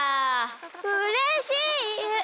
うれしい！